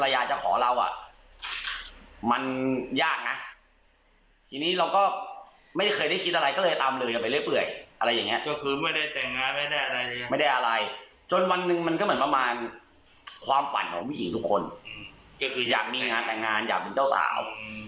อยากมีงานแต่งงานอยากเป็นเจ้าสาว